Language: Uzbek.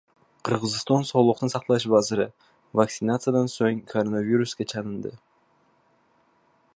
Qirg‘iziston Sog‘liqni saqlash vaziri vaktsinadan so‘ng koronavirusga chalindi